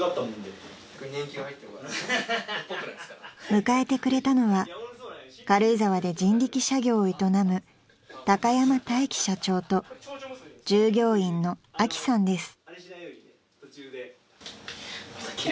［迎えてくれたのは軽井沢で人力車業を営む高山大輝社長と従業員のアキさんです］